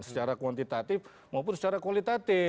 secara kuantitatif maupun secara kualitatif